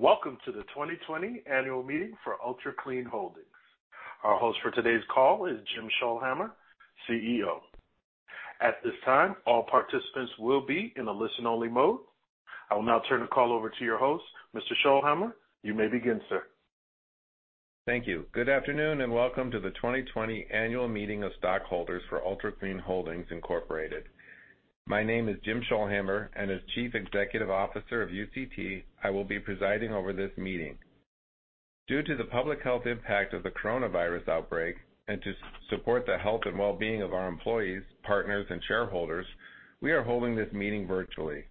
Welcome to the 2020 annual meeting for Ultra Clean Holdings. Our host for today's call is Jim Scholhamer, CEO. At this time, all participants will be in a listen-only mode. I will now turn the call over to your host, Mr. Scholhamer. You may begin, sir. Thank you. Good afternoon and welcome to the 2020 annual meeting of stockholders for Ultra Clean Holdings, Inc. My name is Jim Scholhamer, and as Chief Executive Officer of UCT, I will be presiding over this meeting. Due to the public health impact of the coronavirus outbreak and to support the health and well-being of our employees, partners, and shareholders, we are holding this meeting virtually.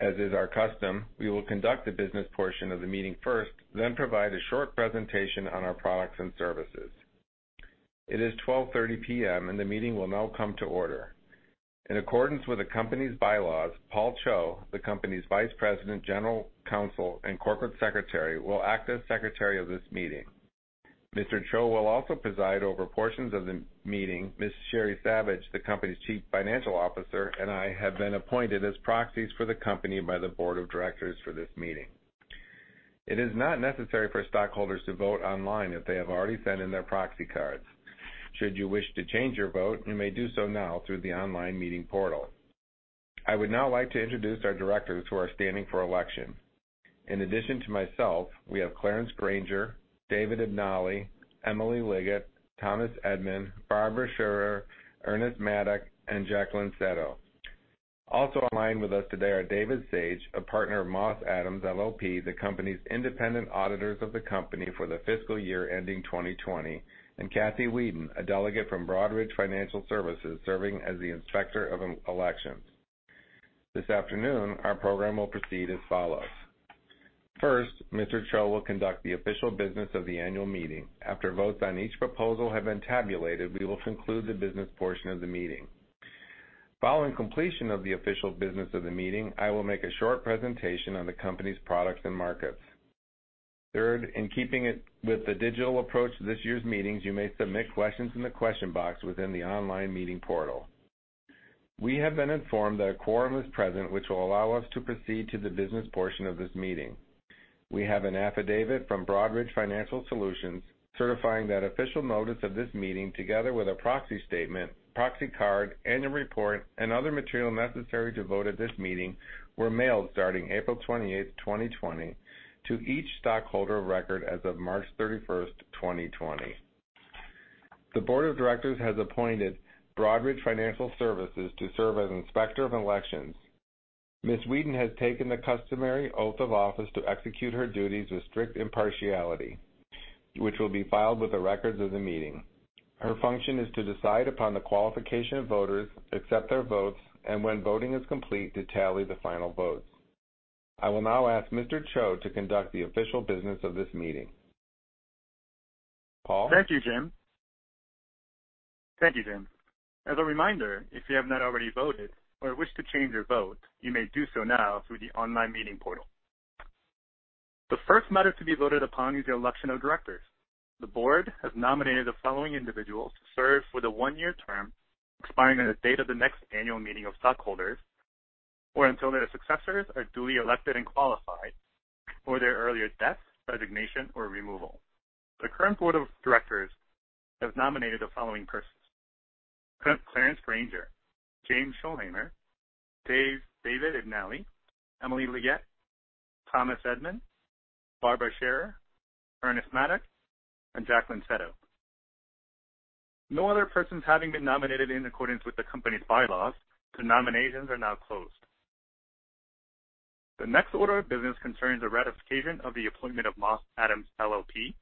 As is our custom, we will conduct the business portion of the meeting first, then provide a short presentation on our products and services. It is 12:30 P.M., and the meeting will now come to order. In accordance with the company's bylaws, Paul Cho, the company's Vice President, General Counsel, and Corporate Secretary, will act as Secretary of this meeting. Mr. Cho will also preside over portions of the meeting. Ms. Sheri Savage, the company's Chief Financial Officer, and I have been appointed as proxies for the company by the Board of Directors for this meeting. It is not necessary for stockholders to vote online if they have already sent in their proxy cards. Should you wish to change your vote, you may do so now through the online meeting portal. I would now like to introduce our directors who are standing for election. In addition to myself, we have Clarence Granger, David IbnAle, Emily Liggett, Thomas Edman, Barbara Scherer, Ernest Maddock, and Jacqueline Seto. Also online with us today are David Sage, a partner of Moss Adams LLP, the company's independent auditors of the company for the fiscal year ending 2020, and Kathy Wheadon, a delegate from Broadridge Financial Solutions serving as the Inspector of Elections. This afternoon, our program will proceed as follows. First, Mr. Cho will conduct the official business of the annual meeting. After votes on each proposal have been tabulated, we will conclude the business portion of the meeting. Following completion of the official business of the meeting, I will make a short presentation on the company's products and markets. Third, in keeping with the digital approach to this year's meetings, you may submit questions in the question box within the online meeting portal. We have been informed that a quorum is present, which will allow us to proceed to the business portion of this meeting. We have an affidavit from Broadridge Financial Solutions certifying that official notice of this meeting, together with a proxy statement, proxy card, annual report, and other material necessary to vote at this meeting, were mailed starting April 28th, 2020, to each stockholder record as of March 31st, 2020. The Board of Directors has appointed Broadridge Financial Solutions to serve as Inspector of Elections. Ms. Wheadon has taken the customary oath of office to execute her duties with strict impartiality, which will be filed with the records of the meeting. Her function is to decide upon the qualification of voters, accept their votes, and when voting is complete, to tally the final votes. I will now ask Mr. Cho to conduct the official business of this meeting. Paul? Thank you, Jim. Thank you, Jim. As a reminder, if you have not already voted or wish to change your vote, you may do so now through the online meeting portal. The first matter to be voted upon is the election of directors. The board has nominated the following individuals to serve for the one-year term expiring on the date of the next annual meeting of stockholders or until their successors are duly elected and qualified or their earlier death, resignation, or removal. The current board of directors has nominated the following persons: Clarence Granger, James Scholhamer, David IbnAle, Emily Liggett, Thomas Edman, Barbara Scherer, Ernest Maddock, and Jacqueline Seto. No other persons having been nominated in accordance with the company's bylaws, the nominations are now closed. The next order of business concerns the ratification of the appointment of Moss Adams LLP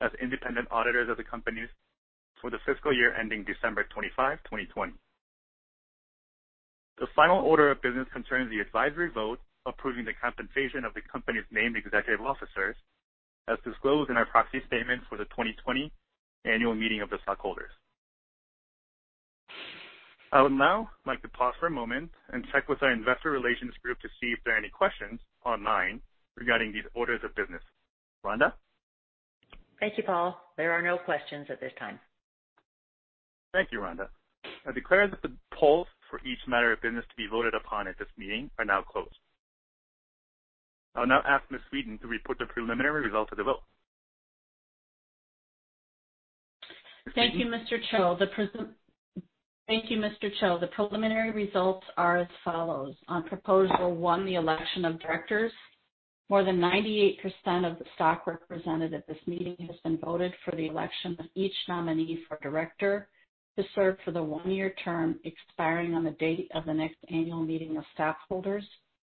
as independent auditors of the company for the fiscal year ending December 25, 2020. The final order of business concerns the advisory vote approving the compensation of the company's named executive officers as disclosed in our proxy statement for the 2020 annual meeting of the stockholders. I would now like to pause for a moment and check with our investor relations group to see if there are any questions online regarding these orders of business. Rhonda? Thank you, Paul. There are no questions at this time. Thank you, Rhonda. I declare that the polls for each matter of business to be voted upon at this meeting are now closed. I'll now ask Ms. Wheadon to report the preliminary results of the vote. Thank you, Mr. Cho. The preliminary results are as follows. On proposal one, the election of directors, more than 98% of the stock represented at this meeting has been voted for the election of each nominee for director to serve for the one-year term expiring on the date of the next annual meeting of stockholders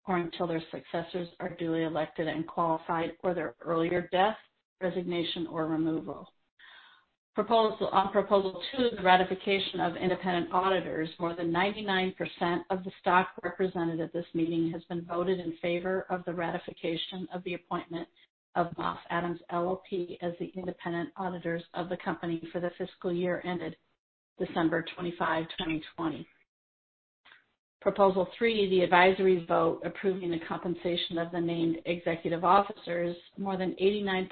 or until their successors are duly elected and qualified or their earlier death, resignation, or removal. On proposal two, the ratification of independent auditors, more than 99% of the stock represented at this meeting has been voted in favor of the ratification of the appointment of Moss Adams LLP as the independent auditors of the company for the fiscal year ended December 25, 2020. Proposal three, the advisory vote approving the compensation of the named executive officers, more than 89%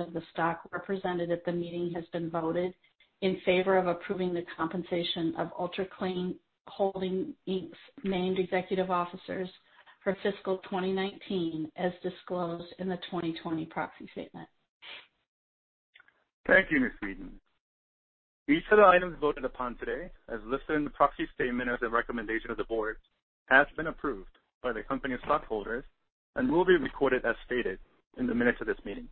of the stock represented at the meeting has been voted in favor of approving the compensation of Ultra Clean Holdings, Inc.'s named executive officers for fiscal 2019 as disclosed in the 2020 proxy statement. Thank you, Ms. Wheadon. Each of the items voted upon today, as listed in the proxy statement as a recommendation of the board, has been approved by the company's stockholders and will be recorded as stated in the minutes of this meeting.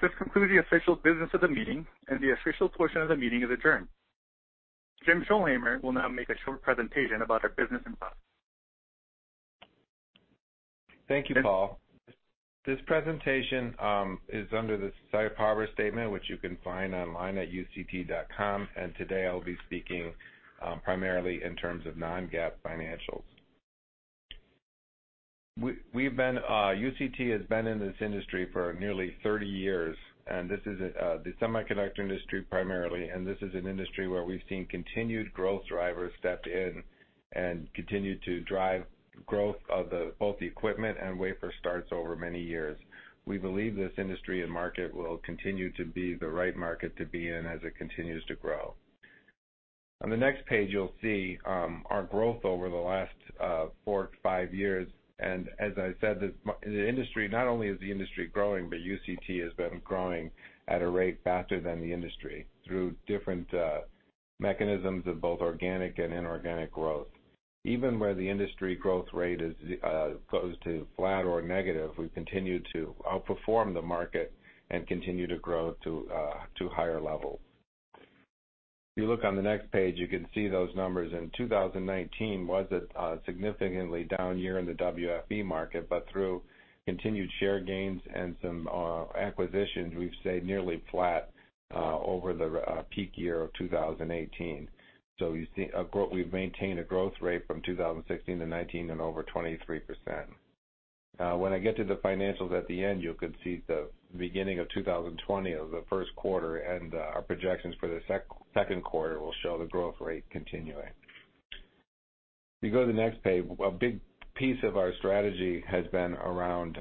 This concludes the official business of the meeting, and the official portion of the meeting is adjourned. Jim Scholhamer will now make a short presentation about our business and products. Thank you, Paul. This presentation is under the safe harbor statement which you can find online at uct.com. And today, I'll be speaking primarily in terms of non-GAAP financials. UCT has been in this industry for nearly 30 years, and this is the semiconductor industry primarily. And this is an industry where we've seen continued growth drivers step in and continue to drive growth of both the equipment and wafer starts over many years. We believe this industry and market will continue to be the right market to be in as it continues to grow. On the next page, you'll see our growth over the last four-five years. And as I said, the industry, not only is the industry growing, but UCT has been growing at a rate faster than the industry through different mechanisms of both organic and inorganic growth. Even where the industry growth rate goes to flat or negative, we continue to outperform the market and continue to grow to higher levels. If you look on the next page, you can see those numbers. In 2019, it was a significantly down year in the WFE market, but through continued share gains and some acquisitions, we've stayed nearly flat over the peak year of 2018. So we've maintained a growth rate from 2016 to 2019 of over 23%. When I get to the financials at the end, you could see the beginning of 2020 or the first quarter, and our projections for the second quarter will show the growth rate continuing. If you go to the next page, a big piece of our strategy has been around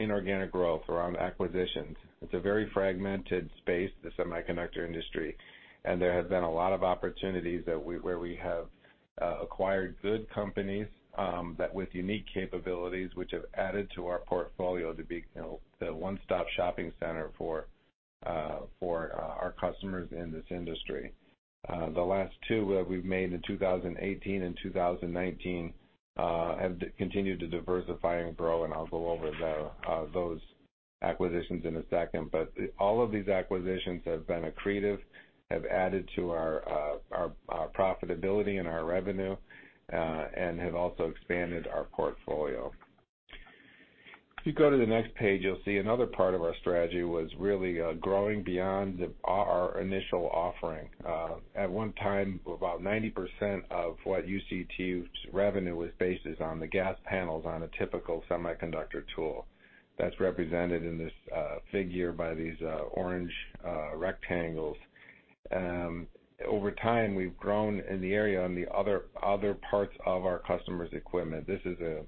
inorganic growth, around acquisitions. It's a very fragmented space, the semiconductor industry, and there have been a lot of opportunities where we have acquired good companies with unique capabilities which have added to our portfolio to be the one-stop shopping center for our customers in this industry. The last two that we've made in 2018 and 2019 have continued to diversify and grow, and I'll go over those acquisitions in a second, but all of these acquisitions have been accretive, have added to our profitability and our revenue, and have also expanded our portfolio. If you go to the next page, you'll see another part of our strategy was really growing beyond our initial offering. At one time, about 90% of what UCT's revenue was based on the gas panels on a typical semiconductor tool. That's represented in this figure by these orange rectangles. Over time, we've grown in the area on the other parts of our customers' equipment. This is a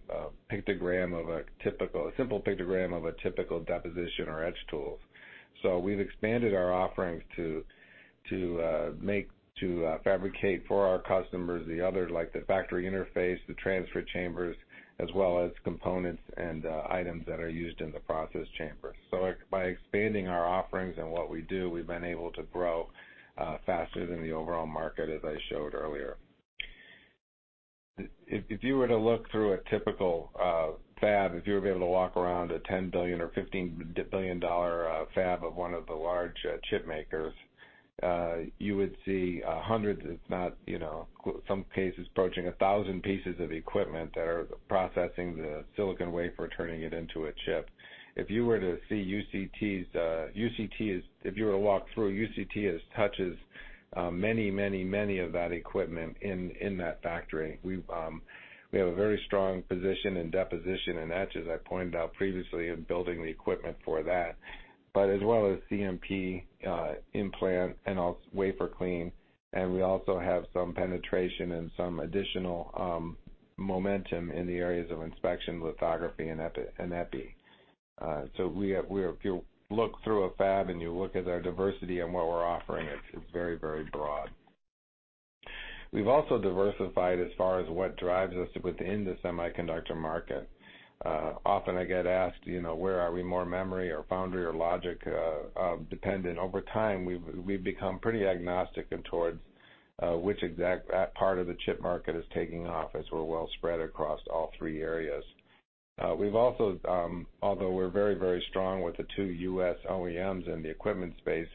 pictogram of a typical, a simple pictogram of a typical deposition or etch tool. So we've expanded our offerings to fabricate for our customers the other like the factory interface, the transfer chambers, as well as components and items that are used in the process chamber. So by expanding our offerings and what we do, we've been able to grow faster than the overall market, as I showed earlier. If you were to look through a typical fab, if you were able to walk around a $10 billion or $15 billion fab of one of the large chip makers, you would see hundreds, if not in some cases approaching 1,000, pieces of equipment that are processing the silicon wafer, turning it into a chip, if you were to see UCT's, if you were to walk through, UCT's touches many, many, many of that equipment in that factory. We have a very strong position in deposition and etch, as I pointed out previously, in building the equipment for that, but as well as CMP, implant and also wafer clean. And we also have some penetration and some additional momentum in the areas of inspection, lithography, and epi, so if you look through a fab and you look at our diversity and what we're offering, it's very, very broad. We've also diversified as far as what drives us within the semiconductor market. Often I get asked where. Are we more memory or foundry or logic dependent? Over time, we've become pretty agnostic towards which exact part of the chip market is taking off as we're well spread across all three areas. We've also, although we're very, very strong with the two U.S. OEMs in the equipment space,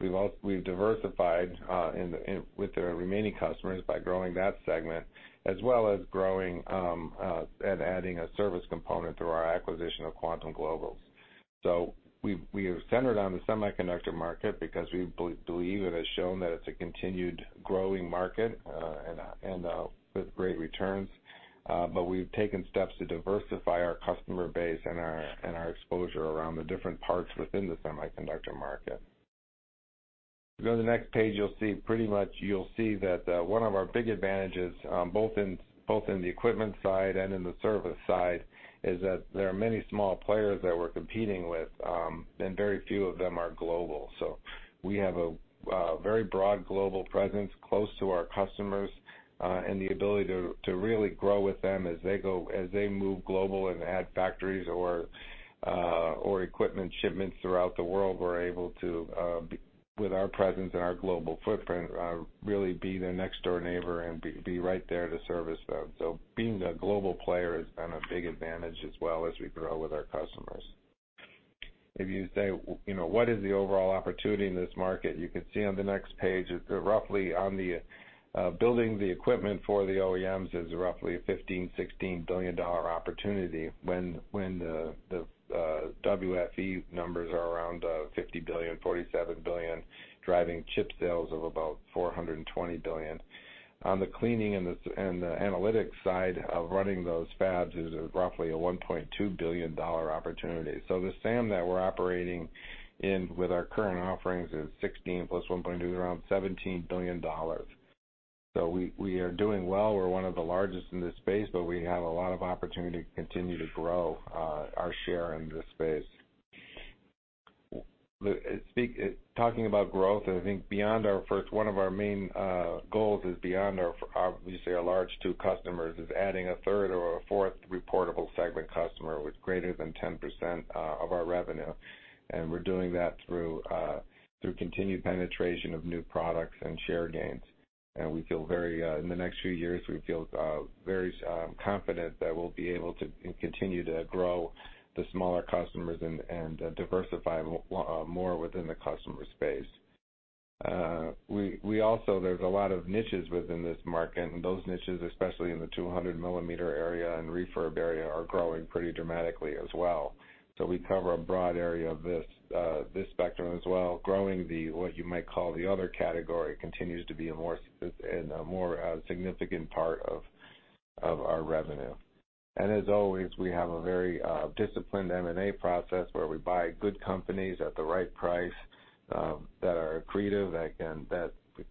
we've diversified with our remaining customers by growing that segment as well as growing and adding a service component through our acquisition of Quantum Global's. So we are centered on the semiconductor market because we believe it has shown that it's a continued growing market and with great returns, but we've taken steps to diversify our customer base and our exposure around the different parts within the semiconductor market. If you go to the next page, you'll see pretty much that one of our big advantages, both in the equipment side and in the service side, is that there are many small players that we're competing with, and very few of them are global. We have a very broad global presence close to our customers and the ability to really grow with them as they move global and add factories or equipment shipments throughout the world. We're able to, with our presence and our global footprint, really be their next-door neighbor and be right there to service them. Being a global player has been a big advantage as well as we grow with our customers. If you say, "What is the overall opportunity in this market?" You could see on the next page it's roughly on the building the equipment for the OEMs is roughly a $15 billion, $16 billion opportunity when the WFE numbers are around $50 billion, $47 billion, driving chip sales of about $420 billion. On the cleaning and the analytics side of running those fabs is roughly a $1.2 billion opportunity. So the SAM that we're operating in with our current offerings is $16 billion plus $1.2 billion, around $17 billion, so we are doing well. We're one of the largest in this space, but we have a lot of opportunity to continue to grow our share in this space. Talking about growth, I think beyond our first, one of our main goals is beyond our, obviously, our large two customers is adding a third or a fourth reportable segment customer with greater than 10% of our revenue. And we're doing that through continued penetration of new products and share gains. And in the next few years, we feel very confident that we'll be able to continue to grow the smaller customers and diversify more within the customer space. We also, there's a lot of niches within this market, and those niches, especially in the 200 mm area and refurbishment area, are growing pretty dramatically as well, so we cover a broad area of this spectrum as well. Growing the what you might call the other category continues to be a more significant part of our revenue. And as always, we have a very disciplined M&A process where we buy good companies at the right price, that are accretive, that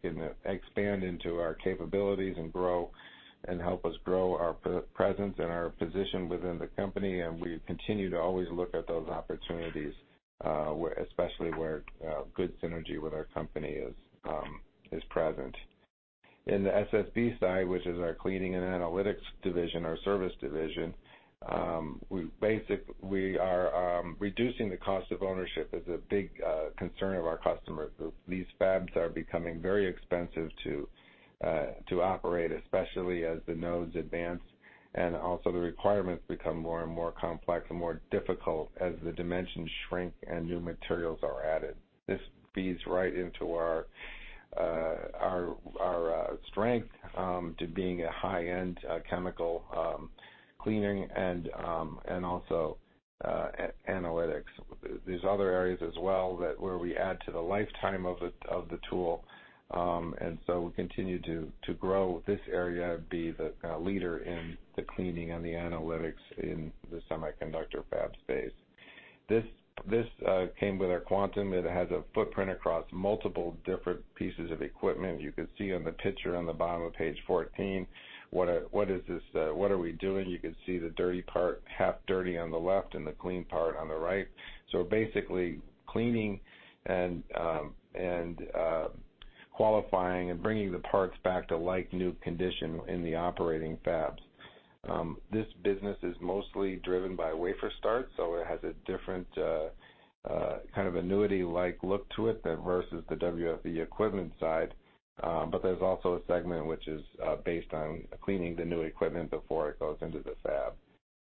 can expand into our capabilities and grow and help us grow our presence and our position within the company, and we continue to always look at those opportunities, especially where good synergy with our company is present. In the SSB side, which is our cleaning and analytics division, our service division, we are reducing the cost of ownership. It's a big concern of our customer group. These fabs are becoming very expensive to operate, especially as the nodes advance and also the requirements become more and more complex and more difficult as the dimensions shrink and new materials are added. This feeds right into our strength to being a high-end chemical cleaning and also analytics. There's other areas as well where we add to the lifetime of the tool. And so we continue to grow this area and be the leader in the cleaning and the analytics in the semiconductor fab space. This came with our Quantum. It has a footprint across multiple different pieces of equipment. You could see on the picture on the bottom of page 14 what is this. What are we doing? You could see the dirty part, half dirty, on the left, and the clean part on the right. So basically, cleaning and qualifying and bringing the parts back to like-new condition in the operating fabs. This business is mostly driven by wafer starts, so it has a different kind of annuity-like look to it versus the WFE equipment side, but there's also a segment which is based on cleaning the new equipment before it goes into the fab.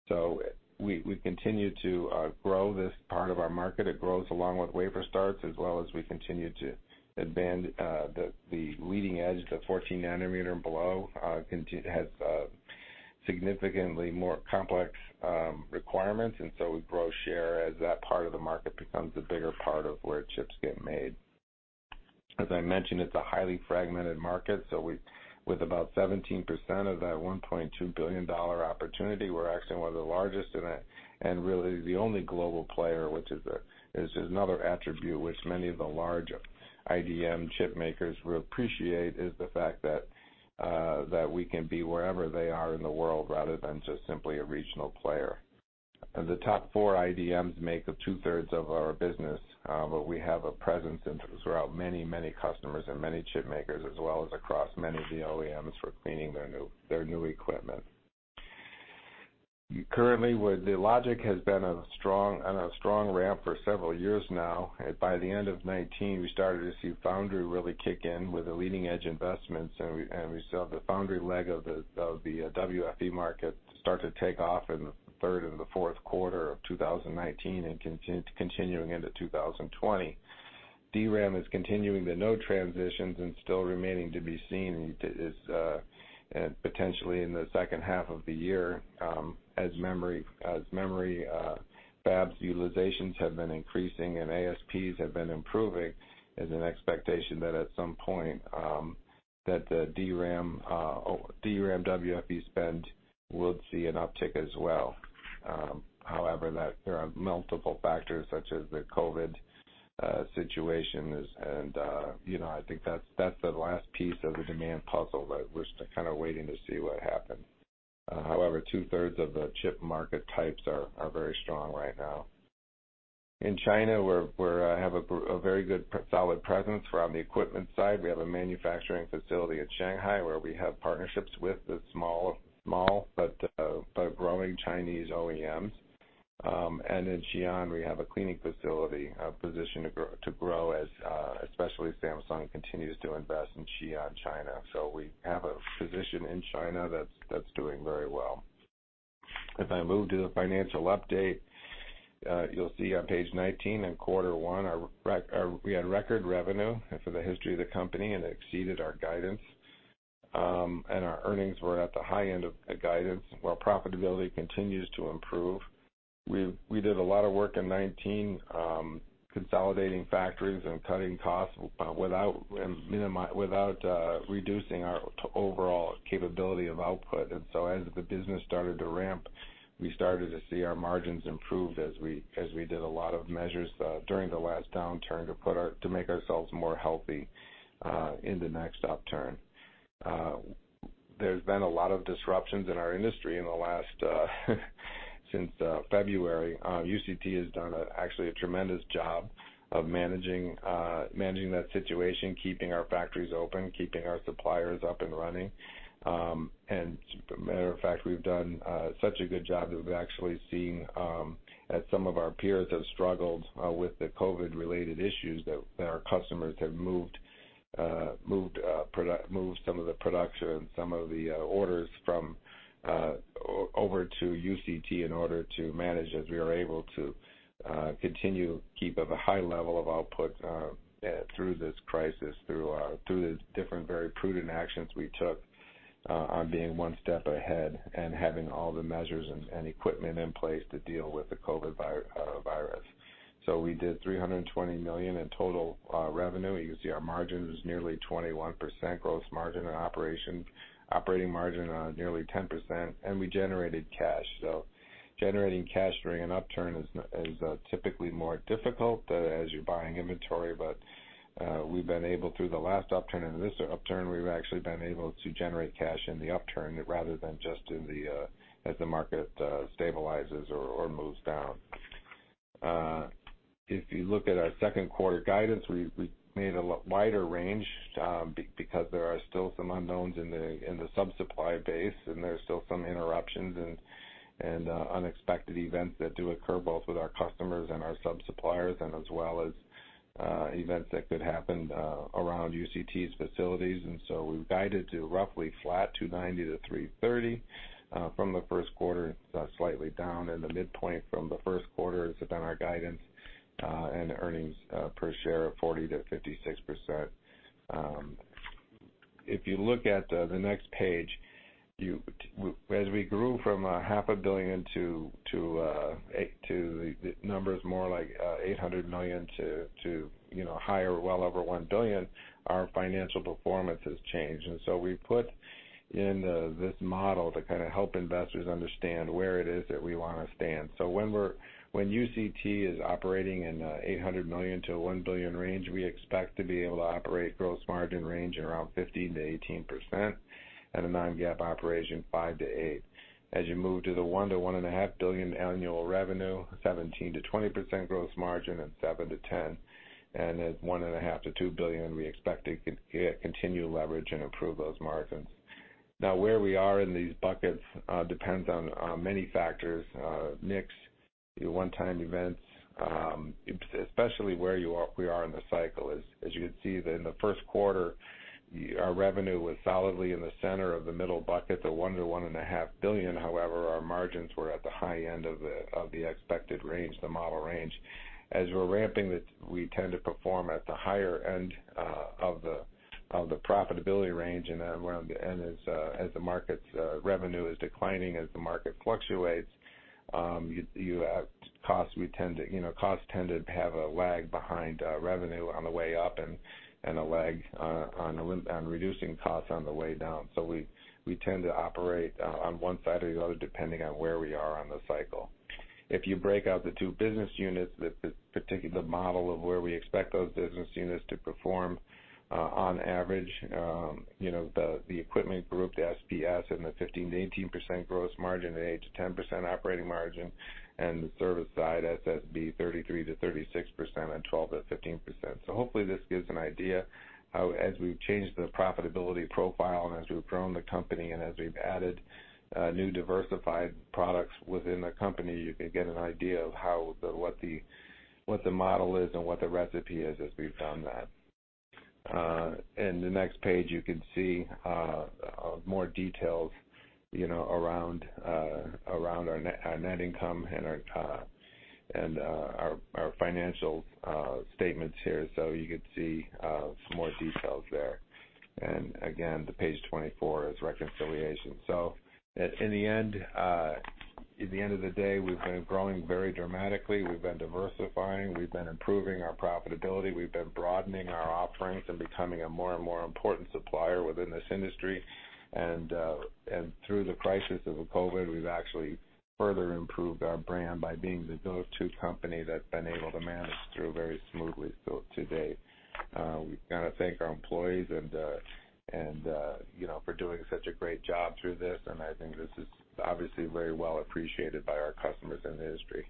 So we continue to grow this part of our market. It grows along with wafer starts as well as we continue to advance the leading edge. The 14 nanometer and below has significantly more complex requirements, and so we grow share as that part of the market becomes a bigger part of where chips get made. As I mentioned, it's a highly fragmented market, so with about 17% of that $1.2 billion opportunity, we're actually one of the largest and really the only global player, which is just another attribute which many of the large IDM chip makers will appreciate, is the fact that we can be wherever they are in the world rather than just simply a regional player. The top four IDMs make up 2/3 of our business, but we have a presence throughout many, many customers and many chip makers as well as across many of the OEMs for cleaning their new equipment. Currently, logic has been a strong ramp for several years now. By the end of 2019, we started to see foundry really kick in with the leading edge investments. And we saw the foundry leg of the WFE market start to take off in the third and the fourth quarter of 2019 and continuing into 2020. DRAM is continuing the node transitions and still remaining to be seen potentially in the second half of the year. As memory fabs utilizations have been increasing and ASPs have been improving, there's an expectation that, at some point, that the DRAM WFE spend will see an uptick as well. However, there are multiple factors such as the COVID situation. And I think that's the last piece of the demand puzzle that we're kind of waiting to see what happens. However, 2/3 of the chip market types are very strong right now. In China, we have a very good, solid presence. We're on the equipment side. We have a manufacturing facility in Shanghai where we have partnerships with the small but growing Chinese OEMs. And in Xi'an, we have a cleaning facility positioned to grow, especially as Samsung continues to invest in Xi'an, China. So we have a position in China that's doing very well. If I move to the financial update, you'll see on page 19, in quarter one, we had record revenue for the history of the company and exceeded our guidance, and our earnings were at the high end of guidance, while profitability continues to improve. We did a lot of work in 2019 consolidating factories and cutting costs without reducing our overall capability of output. And so as the business started to ramp, we started to see our margins improve as we did a lot of measures during the last downturn to make ourselves more healthy in the next upturn. There's been a lot of disruptions in our industry in the last, since February. UCT has done actually a tremendous job of managing that situation, keeping our factories open, keeping our suppliers up and running. As a matter of fact, we've done such a good job that we've actually seen, as some of our peers have struggled with the COVID-related issues, that our customers have moved some of the production and some of the orders over to UCT in order to manage as we are able to continue to keep a high level of output through this crisis through the different very prudent actions we took on being one step ahead and having all the measures and equipment in place to deal with the COVID virus. We did $320 million in total revenue. You can see our margin is nearly 21% gross margin and operating margin nearly 10%, and we generated cash. So generating cash during an upturn is typically more difficult, as you're buying inventory, but we've been able through the last upturn and in this upturn. We've actually been able to generate cash in the upturn rather than just as the market stabilizes or moves down. If you look at our second quarter guidance, we made a wider range because there are still some unknowns in the sub-supply base, and there's still some interruptions and unexpected events that do occur both with our customers and our sub-suppliers and as well as events that could happen around UCT's facilities. And so we've guided to roughly flat $290 million-$330 million from the first quarter. Slightly down in the midpoint from the first quarter has been our guidance, and earnings per share of $0.40-$0.56. If you look at the next page, as we grew from $500 million to numbers more like $800 million to higher, well over $1 billion, our financial performance has changed. And so we put in this model to kind of help investors understand where it is that we want to stand. So when UCT is operating in the $800 million-$1 billion range, we expect to be able to operate gross margin range around 15%-18% and a non-GAAP operating margin 5%-8%. As you move to the $1 billion-$1.5 billion annual revenue, 17%-20% gross margin and 7%-10%, and at $1.5 billion-$2 billion, we expect to continue leverage and improve those margins. Now, where we are in these buckets depends on many factors: mix, one-time events, especially where we are in the cycle. As you can see, in the first quarter, our revenue was solidly in the center of the middle bucket, the $1 billion-$1.5 billion. However, our margins were at the high end of the expected range, the model range. As we're ramping, we tend to perform at the higher end of the profitability range. And as the market's revenue is declining, as the market fluctuates, costs tend to have a lag behind revenue on the way up and a lag on reducing costs on the way down. So we tend to operate on one side or the other depending on where we are on the cycle. If you break out the two business units, the model of where we expect those business units to perform on average, the equipment group, the SPS, and the 15%-18% gross margin, an 8%-10% operating margin, and the service side, SSB, 33%-36% and 12%-15%. So hopefully, this gives an idea. As we've changed the profitability profile and as we've grown the company and as we've added new diversified products within the company, you can get an idea of what the model is and what the recipe is as we've done that. In the next page, you can see more details around our net income and our financial statements here, so you could see some more details there. And again, the page 24 is reconciliation. So in the end, at the end of the day, we've been growing very dramatically. We've been diversifying. We've been improving our profitability. We've been broadening our offerings and becoming a more and more important supplier within this industry. And through the crisis of COVID, we've actually further improved our brand by being the go-to company that's been able to manage through very smoothly till today. We've got to thank our employees and for doing such a great job through this. And I think this is obviously very well appreciated by our customers in the industry.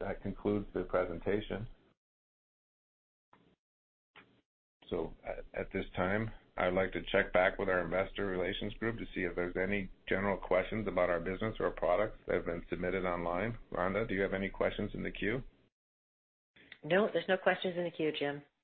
That concludes the presentation, so at this time, I'd like to check back with our investor relations group to see if there's any general questions about our business or products that have been submitted online. Rhonda, do you have any questions in the queue? No, there's no questions in the queue, Jim.